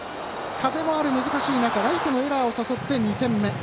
風もある難しい中ライトのエラーを誘って２点目。